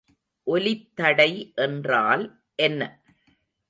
ஒலித்தடை என்றால் என்ன?